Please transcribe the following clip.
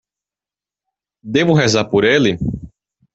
Devo rezar por ele?